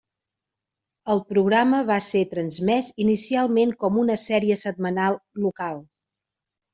El programa va ser transmès inicialment com una sèrie setmanal local.